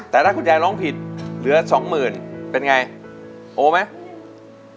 แต่ถ้าคุณยายร้องผิดเหลือสองหมื่นเป็นไงโอไหม